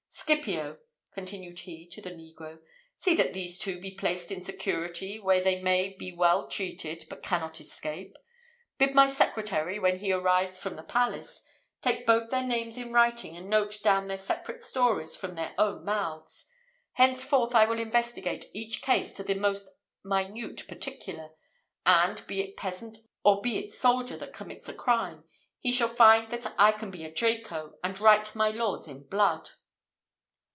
"Scipio," continued he to the negro, "see that these two be placed in security, where they may be well treated, but cannot escape; bid my secretary, when he arrives from the palace, take both their names in writing, and note down their separate stories from their own mouths. Henceforth, I will investigate each case to the most minute particular; and, be it peasant or be it soldier that commits a crime, he shall find that I can be a Draco, and write my laws in blood."